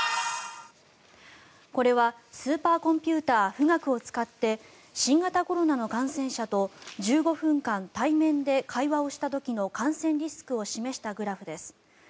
これはスーパーコンピューター富岳を使って新型コロナの感染者と１５分間対面で会話をした時の感染リスクを示したグラフです。